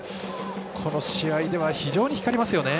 この試合では非常に光りますよね。